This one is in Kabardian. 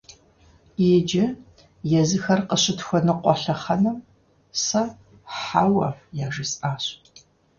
Иджы, езыхэр къыщытхуэныкъуэ лъэхъэнэм, сэ «хьэуэ» яжесӀащ!